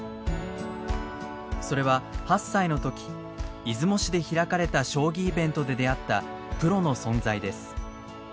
それは８歳の時出雲市で開かれた将棋イベントで出会ったプロの存在です。